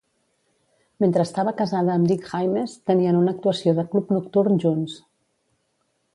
Mentre estava casada amb Dick Haymes, tenien una actuació de club nocturn junts.